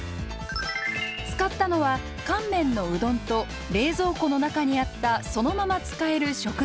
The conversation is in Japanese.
使ったのは乾麺のうどんと冷蔵庫の中にあったそのまま使える食材。